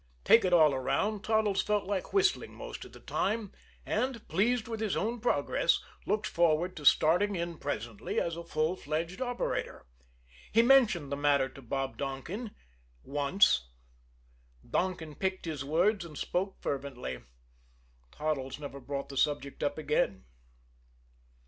Take it all around, Toddles felt like whistling most of the time; and, pleased with his own progress, looked forward to starting in presently as a full fledged operator. He mentioned the matter to Bob Donkin once. Donkin picked his words and spoke fervently. Toddles never brought the subject up again.